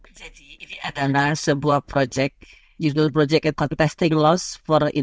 jadi ini adalah sebuah proyek proyek yang mencari peningkatan